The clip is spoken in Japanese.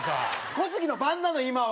小杉の番なの今は。